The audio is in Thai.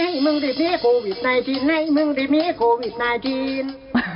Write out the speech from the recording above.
ให้มึงเรียบมีให้โควิด๙จีนให้มึงเรียบมีให้โควิด๙จีน